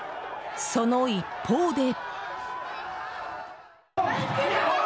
その一方で。